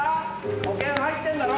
保険入ってんだろ？